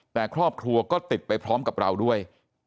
แต่ครอบครัวก็ติดไปพร้อมกับเราด้วย